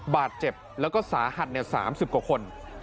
บาดเจ็บแล้วก็สาหัส๓๐กว่าคน